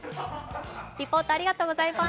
リポートありがとうございます。